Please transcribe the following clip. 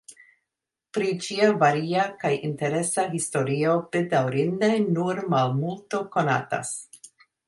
Pri ĝia varia kaj interesa historio bedaŭrinde nur malmulto konatas.